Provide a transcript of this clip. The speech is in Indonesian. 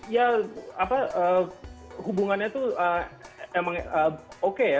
ya hubungannya itu emang oke ya